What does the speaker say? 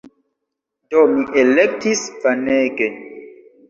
Do, mi elektis Vanege!